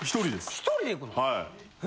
１人で行くの？え？